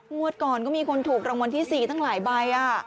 งวดก่อนก็มีคนถูกรางวัลที่๔ตั้งหลายใบ